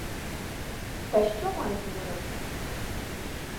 Та що маю говорити?